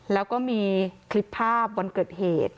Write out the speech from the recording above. แล้วก็มีคลิปภาพวันเกิดเหตุ